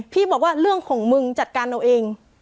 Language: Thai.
บอกว่าเรื่องของมึงจัดการเอาเอง